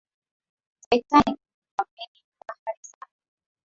titanic ilikuwa meli ya kifahari sana